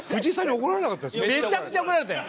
めちゃくちゃ怒られたよ。